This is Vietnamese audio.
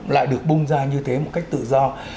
lại được bung ra như thế một cách tự do